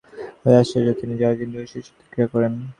তিনিই আচার্য, যাঁহার ভিতর দিযা ঐশী শক্তি ক্রিয়া করে।